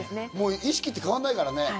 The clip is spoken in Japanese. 意識って変わんないからね。